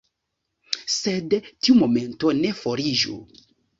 Sed tiu momento ne foriĝu.